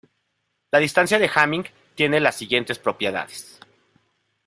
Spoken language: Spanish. La distancia de Hamming tiene las siguientes propiedades.